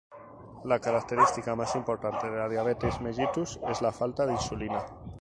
La característica más importante de la diabetes mellitus es la falta de insulina.